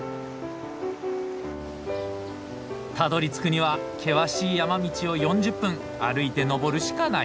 たどりつくには険しい山道を４０分歩いて登るしかない。